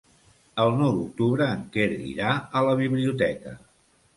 El nou d'octubre en Quer irà a la biblioteca.